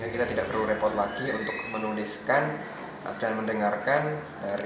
kita tidak perlu repot lagi untuk menuliskan dan mendengarkan dari